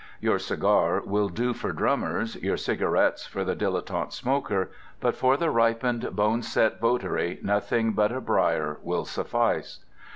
Your cigar will do for drummers, your cigarettes for the dilettante smoker, but for the ripened, boneset votary nothing but a briar will suffice.